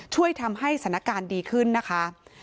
ช่วยทำให้สถานการณ์ดีขึ้นนะคะ